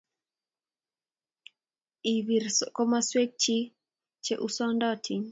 Iribrib komoswek chi che usundotin